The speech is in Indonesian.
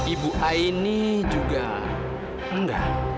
ibu aini juga enggak